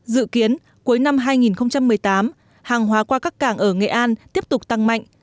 dự kiến cuối năm hai nghìn một mươi tám hàng hóa qua các cảng ở nghệ an tiếp tục tăng mạnh